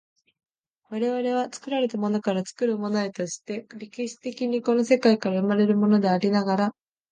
我々は作られたものから作るものへとして、歴史的にこの世界から生まれるものでありながら、